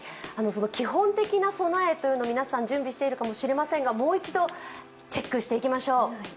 基本的な備えというのを皆さん、準備しているかもしれませんがもう一度、チェックしていきましょう。